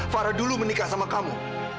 farah dulu menikah sama kamu